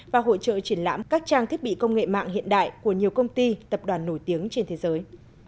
và hội trợ triển lãm các trang thiết bị công nghệ mạng hiện đại của nhiều công ty tập đoàn nổi tiếng trên thế giới